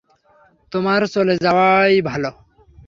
তোমার চলে যাওয়াই ভালো।